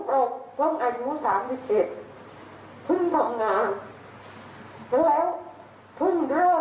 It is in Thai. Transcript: ช่วยเห็นใจพวกเราหน่อยนะคะแต่วันนี้เรียนไม่สามารถเรียกโลกอื่นมาได้